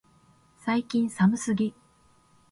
最近寒すぎ、